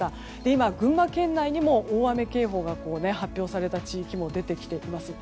今、群馬県内にも大雨警報が発表された地域もあります。